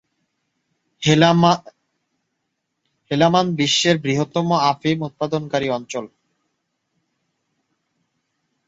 হেলমান্দ বিশ্বের বৃহত্তম আফিম-উৎপাদনকারী অঞ্চল।